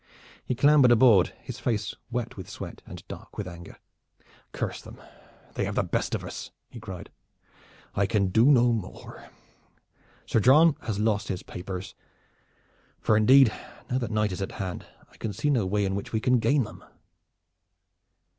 He clambered aboard, his face wet with sweat and dark with anger. "Curse them! they have had the best of us!" he cried. "I can do no more. Sir John has lost his papers, for indeed now that night is at hand I can see no way in which we can gain them."